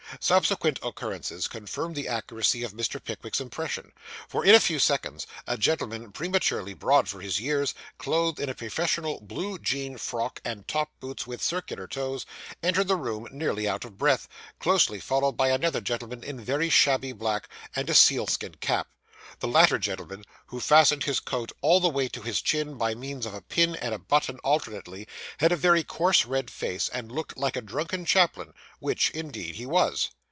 Subsequent occurrences confirmed the accuracy of Mr. Pickwick's impression; for, in a few seconds, a gentleman, prematurely broad for his years, clothed in a professional blue jean frock and top boots with circular toes, entered the room nearly out of breath, closely followed by another gentleman in very shabby black, and a sealskin cap. The latter gentleman, who fastened his coat all the way up to his chin by means of a pin and a button alternately, had a very coarse red face, and looked like a drunken chaplain; which, indeed, he was.